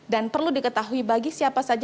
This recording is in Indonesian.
dan perlu diketahui bagi siapa saja